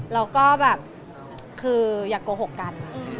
เราก็แบบคืออยากโกหกกัน